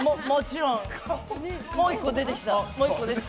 もう１個出てきた！